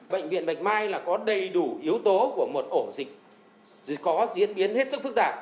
bệnh viện bạch mai là có đầy đủ yếu tố của một ổ dịch có diễn biến hết sức phức tạp